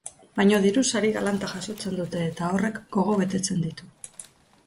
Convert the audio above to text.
Baina diru sari galanta jasotzen dute eta horrek gogobetetzen ditu.